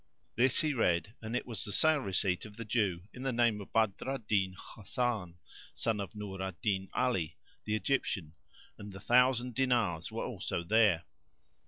This he read and it was the sale receipt of the Jew in the name of Badr al Din Hasan, son of Nur al Din Ali, the Egyptian; and the thousand dinars were also there.